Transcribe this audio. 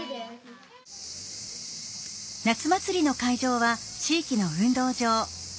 夏祭りの会場は地域の運動場。